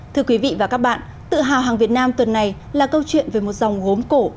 thưa quý vị và các bạn tự hào hàng việt nam tuần này là câu chuyện về một dòng gốm cổ